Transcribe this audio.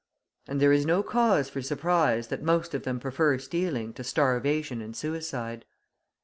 And there is no cause for surprise that most of them prefer stealing to starvation and suicide.